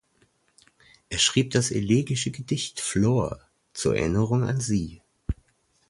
Er schrieb das elegische Gedicht "Flor" zur Erinnerung an sie.